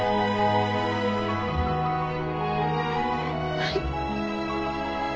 はい。